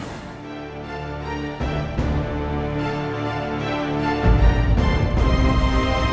aku akan menjaga riri